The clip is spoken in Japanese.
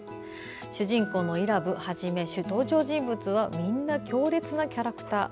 主人公の伊良部をはじめ登場人物は皆、強烈なキャラクター。